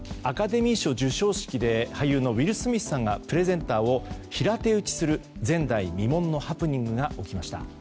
アカデミー賞授賞式で俳優のウィル・スミスさんがプレゼンターを平手打ちする前代未聞のハプニングが起きました。